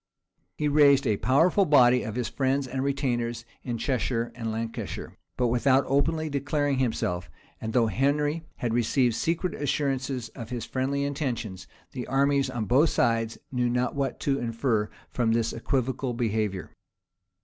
He raised a powerful body of his friends and retainers in Cheshire and Lancashire, but without openly declaring himself: and though Henry had received secret assurances of his friendly intentions, the armies on both sides knew not what to infer from his equivocal behavior.